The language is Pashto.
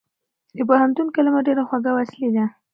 د پوهنتون کلمه ډېره خوږه او اصلي ده.